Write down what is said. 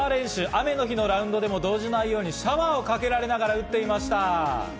雨の日のラウンドでも動じないようにシャワーをかけて打っていました。